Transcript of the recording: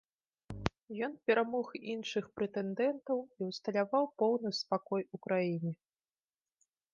Ён перамог іншых прэтэндэнтаў і ўсталяваў поўны спакой у краіне.